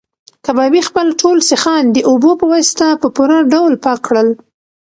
کبابي خپل ټول سیخان د اوبو په واسطه په پوره ډول پاک کړل.